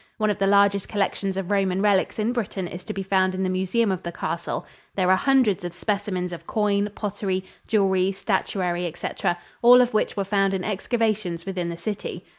One of the largest collections of Roman relics in Britain is to be found in the museum of the castle. There are hundreds of specimens of coin, pottery, jewelry, statuary, etc., all of which were found in excavations within the city.